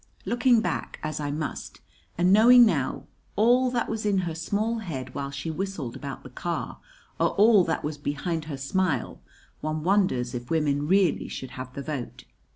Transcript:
Looking back, as I must, and knowing now all that was in her small head while she whistled about the car, or all that was behind her smile, one wonders if women really should have the vote.